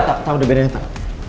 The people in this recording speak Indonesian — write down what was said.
tak tak udah bedanya tak